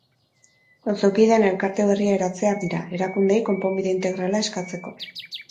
Auzokideen elkarte berria eratzear dira, erakundeei konponbide integrala eskatzeko.